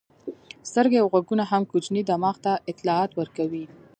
سترګې او غوږونه هم کوچني دماغ ته اطلاعات ورکوي.